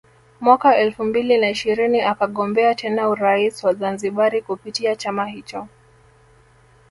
Mwaka elfu mbili na ishirini akagombea tena urais wa Zanzibari kupitia chama hicho